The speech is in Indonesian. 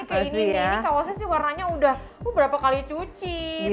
ini kayak ini nih ini kalau saya sih warnanya udah berapa kali cuci